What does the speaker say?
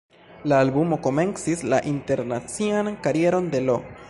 La albumo komencis la internacian karieron de Lo.